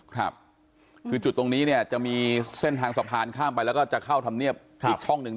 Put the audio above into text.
ครับคือจุดตรงนี้เนี่ยจะมีเส้นทางสะพานข้ามไปแล้วก็จะเข้าธรรมเนียบอีกช่องหนึ่ง